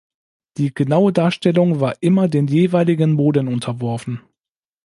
Die genaue Darstellung war immer den jeweiligen Moden unterworfen.